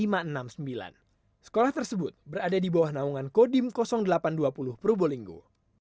pak ustaz sekolah tersebut berada di bawah naungan kodim delapan ratus dua puluh perubolinggo